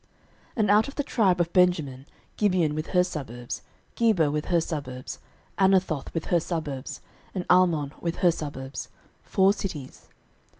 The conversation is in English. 06:021:017 And out of the tribe of Benjamin, Gibeon with her suburbs, Geba with her suburbs, 06:021:018 Anathoth with her suburbs, and Almon with her suburbs; four cities.